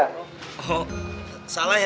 oh salah ya